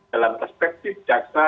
dalam perspektif jasa